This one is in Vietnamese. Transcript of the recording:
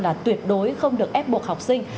là tuyệt đối không được ép buộc học sinh